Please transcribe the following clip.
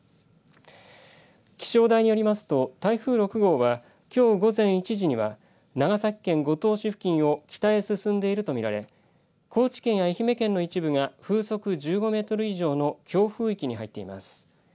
気象台によりますと台風６号はきょう午前１時には長崎県五島市付近を北へ進んでいると見られ高知県や愛媛県の一部が風速１５メートル以上の強風域に入っています。